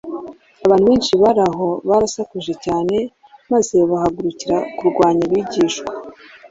Abantu benshi bari aho barasakuje cyane maze bahagurukira kurwanya abigishwa.